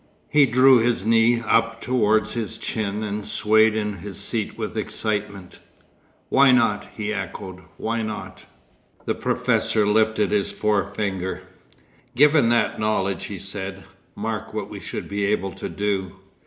He drew his knee up towards his chin and swayed in his seat with excitement. 'Why not?' he echoed, 'why not?' The professor lifted his forefinger. 'Given that knowledge,' he said, 'mark what we should be able to do!